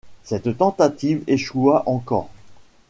Cette tentative échoua encore.